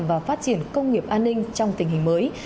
và phát triển công nghiệp an ninh trong tình hình mới